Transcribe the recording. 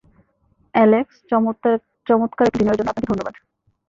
Alex, চমৎকার একটা ডিনারের জন্য আপনাকে ধন্যবাদ।